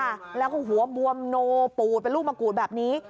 แล้วก็หัวบวมโนปูดเป็นลูกมะกรูดแบบนี้